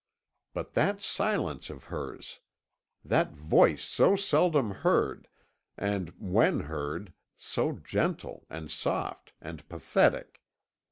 But that silence of hers! That voice so seldom heard, and, when heard, so gentle, and soft, and pathetic!